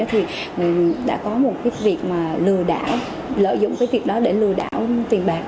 thì đã có một việc lừa đảo lợi dụng việc đó để lừa đảo tiền bạc